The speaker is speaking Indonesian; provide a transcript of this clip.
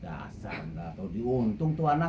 dah sam dah tau di untung tuh anak